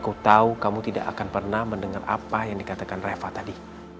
kau tahu kamu tidak akan pernah mendengar apa yang dikatakan reva tadi